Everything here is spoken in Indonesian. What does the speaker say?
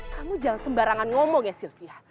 kamu jangan sembarangan ngomong ya sylvia